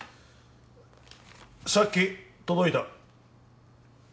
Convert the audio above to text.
さっき届いた。